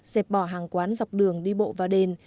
dẹp bỏ hàng quán dọc đường đi bộ và đền